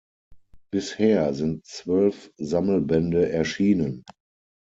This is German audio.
Bisher sind zwölf Sammelbände erschienen.